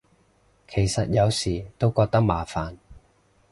其實有時都覺得麻煩